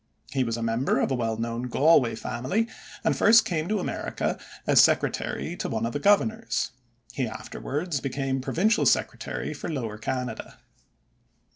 He was a member of a well known Galway family, and first came to America as secretary to one of the governors. He afterwards became provincial secretary for Lower Canada.